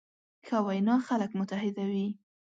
ښه وینا خلک متحدوي.